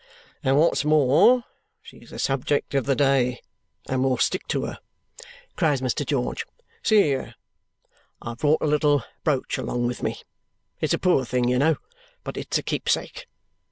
"And what's more, she's the subject of the day, and we'll stick to her," cries Mr. George. "See here, I have brought a little brooch along with me. It's a poor thing, you know, but it's a keepsake.